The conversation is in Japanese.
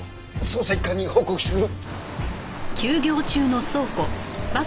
捜査一課に報告してくる。